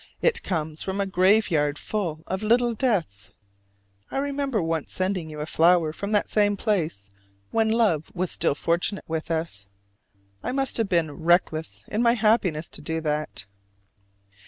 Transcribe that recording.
It comes from a graveyard full of "little deaths." I remember once sending you a flower from the same place when love was still fortunate with us. I must have been reckless in my happiness to do that!